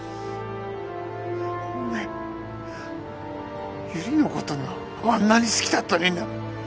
お前由理のことがあんなに好きだったのにな